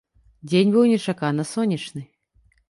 Дзень быў нечакана сонечны.